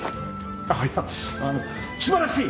あっいやあの素晴らしい！